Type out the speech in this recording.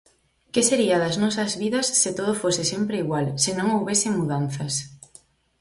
Que sería das nosas vidas se todo fose sempre igual, se non houbese mudanzas.